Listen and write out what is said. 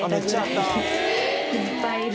いっぱいいる。